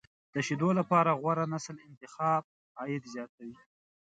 د شیدو لپاره غوره نسل انتخاب، عاید زیاتوي.